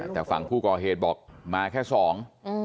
แต่ฝั่งผู้ก่อเหตุบอกมาแค่สอง